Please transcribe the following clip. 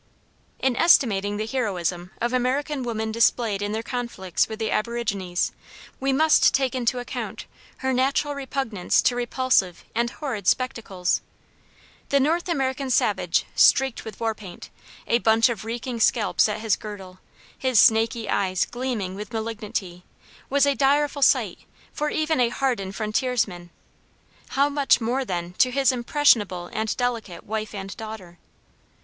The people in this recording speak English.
In estimating the heroism of American women displayed in their conflicts with the aborigines, we must take into account her natural repugnance to repulsive and horrid spectacles. The North American savage streaked with war paint, a bunch of reeking scalps at his girdle, his snaky eyes gleaming with malignity, was a direful sight for even a hardened frontiers man; how much more, then, to his impressionable and delicate wife and daughter.